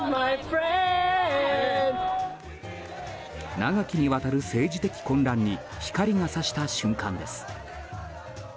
長きにわたる政治的混乱に光が差した瞬間です。